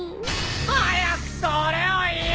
早くそれを言え！